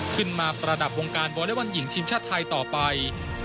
ขึ้นมาประดับวงการวอเลอร์วันหญิงทีมชาติไทยต่อไป